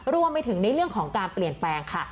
รวมไปถึงในเรื่องของการเปลี่ยนแปลงค่ะ